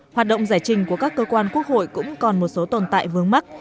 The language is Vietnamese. hoạt động giải trình của các cơ quan quốc hội cũng còn một số tồn tại vướng mắc